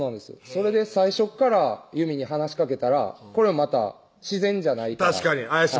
それで最初っから祐美に話しかけたらこれもまた自然じゃないから確かに怪しまれる